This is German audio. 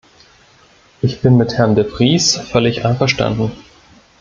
Ich bin mit Herrn de Vries völlig einverstanden.